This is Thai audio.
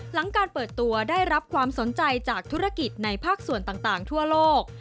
หลังการเปิดตัวได้รับความสนใจจากธุรกิจในภาคส่วนต่างทั่วโลก